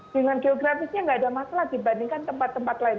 dengan geografisnya nggak ada masalah dibandingkan tempat tempat lain